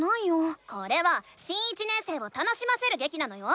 これは新１年生を楽しませるげきなのよ！